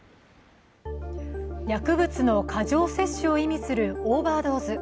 薬物の過剰摂取を意味するオーバードーズ。